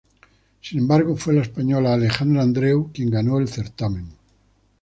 Sin embargo, fue la española Alejandra Andreu quien ganó el certamen.